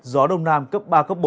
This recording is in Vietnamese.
gió đông nam cấp ba bốn